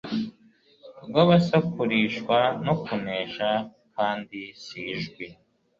rw abasakurishwa no kunesha kandi si ijwi